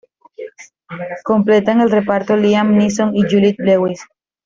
Completan el reparto Liam Neeson y Juliette Lewis.